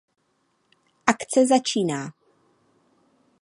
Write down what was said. Akce začíná.